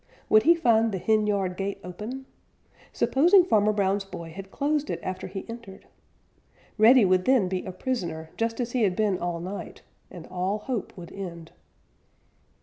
Would he find the henyard gate open? Supposing Farmer Brown's boy had closed it after he entered! Reddy would then be a prisoner just as he had been all night, and all hope would end.